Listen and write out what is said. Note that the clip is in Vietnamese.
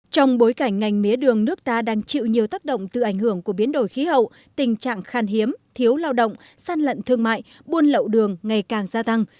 trong bối cảnh ngành mía đường nước ta đang chịu nhiều tác động từ ảnh hưởng của biến đổi khí hậu tình trạng khan hiếm thiếu lao động săn lận thương mại buôn lậu đường ngày càng gia tăng